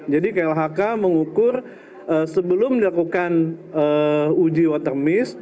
jadi klhk mengukur sebelum dilakukan uji watermiss